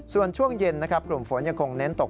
ส่วนช่วงเย็นนะครับกลุ่มฝนยังคงเน้นตก